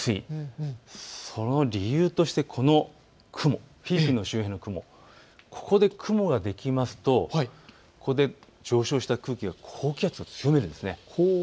その理由としてこの雲、フィリピンの周辺の雲、ここで雲ができますとここで上昇した空気が高気圧が強いんです。